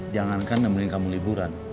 jangankan nemenin kamu liburan